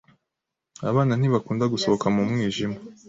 Abana ntibakunda gusohoka mu mwijima.